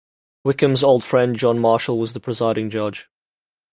Wickham's old friend John Marshall was the presiding judge.